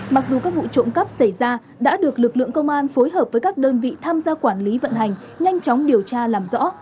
mặc dù các vụ trộm cắp xảy ra đã được lực lượng công an phối hợp với các đơn vị tham gia quản lý vận hành nhanh chóng điều tra làm rõ